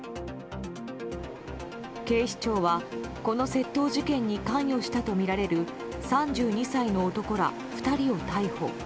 警視庁は、この窃盗事件に関与したとみられる３２歳の男ら２人を逮捕。